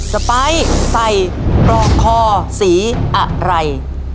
สไปไสปกครสรีอะไร